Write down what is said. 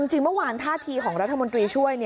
จริงเมื่อวานท่าทีของรัฐมนตรีช่วย